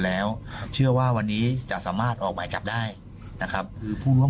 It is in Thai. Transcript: แล้วเชื่อว่าวันนี้จะสามารถออกหมายจับได้นะครับคือผู้ร่วม